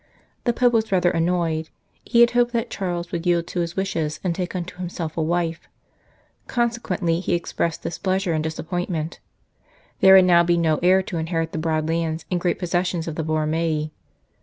The Pope was rather annoyed ; he had hoped that Charles would yield to his wishes and take unto himself a wife ; consequently he expressed displeasure and disappointment. There would now be no heir to inherit the broad lands and great possessions of the Borromei.